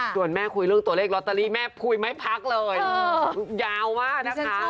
ก็นิดหนึ่งมันก็กระชุ่มกระจูย